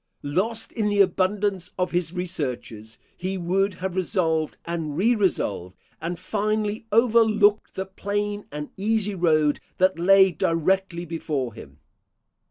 Lost in the abundance of his researches, he would have resolved and re resolved, and finally overlooked the plain and easy road that lay directly before him.